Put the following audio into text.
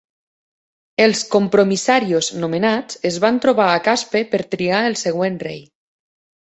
Els "compromisarios" nomenats es van trobar a Caspe per triar el següent rei.